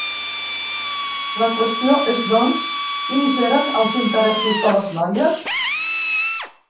La qüestió és, doncs, quins eren els interessos de les noies?